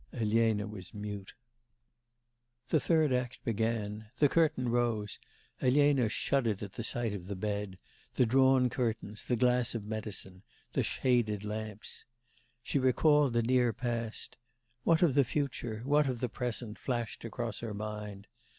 Elena was mute. The third act began. The curtain rose Elena shuddered at the sight of the bed, the drawn curtains, the glass of medicine, the shaded lamps. She recalled the near past. 'What of the future? What of the present?' flashed across her mind.